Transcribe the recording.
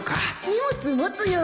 荷物持つよ